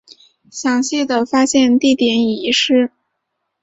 详细的发现地点已遗失。